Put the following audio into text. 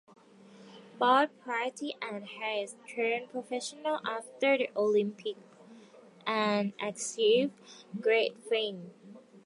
Both Pietri and Hayes turned professional after the Olympics, and achieved great fame.